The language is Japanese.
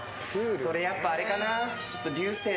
それやっぱあれかな。